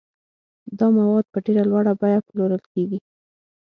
دا مواد په ډېره لوړه بیه پلورل کیږي.